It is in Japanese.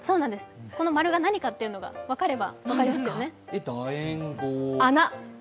この丸が何かというのが分かれば、分かりますよね。